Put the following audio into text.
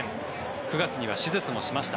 ９月には手術もしました。